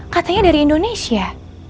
katanya dari indonesia